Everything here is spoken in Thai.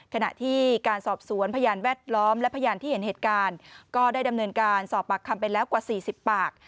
ขณะที่การสอบสวนพยานแวดล้อมและพยานที่เห็นเหตุการณ์ก็ได้ดำเนินการสอบปากคำไปแล้วกว่า๔๐ปาก